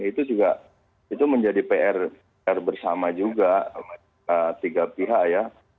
itu juga itu menjadi pr bersama juga tiga pihak ya